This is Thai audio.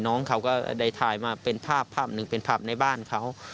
น้องเขาก็ได้ถ่ายมาเป็นภาพภาพหนึ่งเป็นภาพในบ้านเขา